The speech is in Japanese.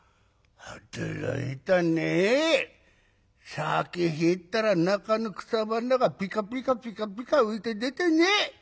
酒入ったら中の草花がピカピカピカピカ浮いて出てね